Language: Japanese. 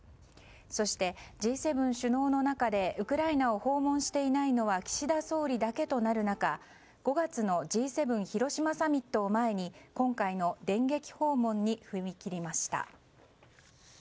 そしてＧ７首脳の中でウクライナを訪問していないのは岸田総理だけとなる中５月のＧ７広島サミットを前に今回の電撃訪問に踏み切りました。